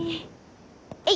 えい！